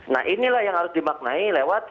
nah inilah yang harus dimaknai lewat